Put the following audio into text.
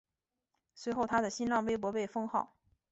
随后他的新浪微博被封号。